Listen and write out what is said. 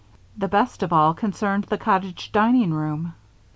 The best of all concerned the cottage dining room.